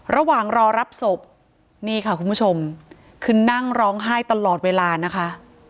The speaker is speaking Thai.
ระหว่างรอรับศพนี่ค่ะคุณผู้ชมคือนั่งร้องไห้ตลอดเวลานะคะ